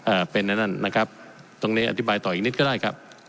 อ่าเป็นไอ้นั่นนะครับตรงนี้อธิบายต่ออีกนิดก็ได้ครับ